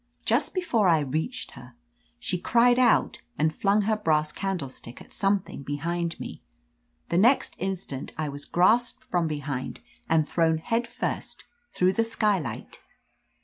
Just before I reached her, she cried out and flung her brass candlestick at something behind me. The next instant I was grasped from behind and thrown head first through the skylight.